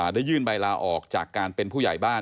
ได้ยื่นใบลาออกจากการเป็นผู้ใหญ่บ้าน